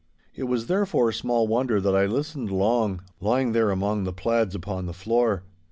It was, therefore, small wonder that I listened long, lying there among the plaids upon the floor.